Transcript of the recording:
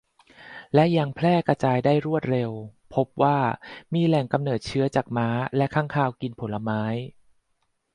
และยังแพร่กระจายได้รวดเร็ว พบว่ามีแหล่งกำเนิดเชื้อจากม้าและค้างคาวกินผลไม้